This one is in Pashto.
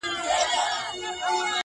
سمدستي کړکۍ خلاصې کړئ